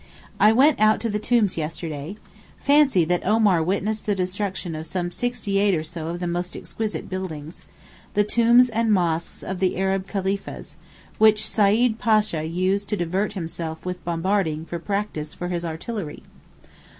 I went out to the tombs yesterday. Fancy that Omar witnessed the destruction of some sixty eight or so of the most exquisite buildings—the tombs and mosques of the Arab Khaleefehs, which Said Pasha used to divert himself with bombarding for practice for his artillery.